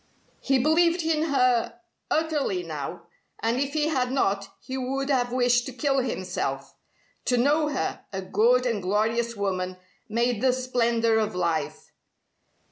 He believed in her utterly now, and if he had not, he would have wished to kill himself. To know her, a good and glorious woman, made the splendour of life.